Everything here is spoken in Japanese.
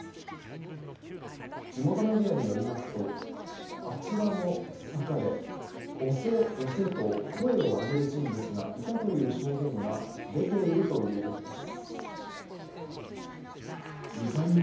地元メディアによりますと、あちらの坂で押せ、押せと声を上げる人物がいたという証言が出ているということです。